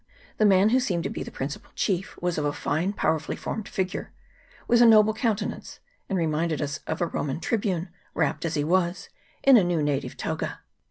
The man who seemed to be the principal chief was of a fine powerfully formed figure, with a noble countenance, and reminded us of a Roman tribune, wrapped, as he was, in a new native toga.